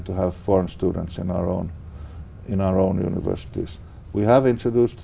trang trí của hà nội